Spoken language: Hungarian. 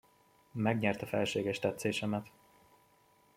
Megnyerte felséges tetszésemet.